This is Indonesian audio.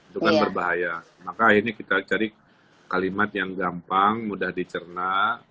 itu kan berbahaya maka akhirnya kita cari kalimat yang gampang mudah dicerna